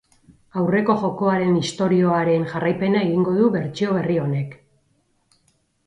Aurreko jokoaren istorioaren jarraipena egingo du bertsio berri honek.